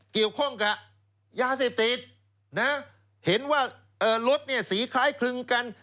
เกี่ยวข้องกับยาเสพติดนะเห็นว่ารถเนี่ยสีคล้ายคลึงกัน